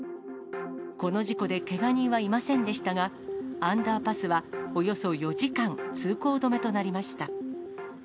この事故でけが人はいませんでしたが、アンダーパスはおよそ４時間、通行止めとなりました。